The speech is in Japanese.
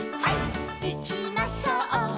「いきましょう」